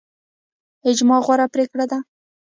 اجماع غوره پریکړه ده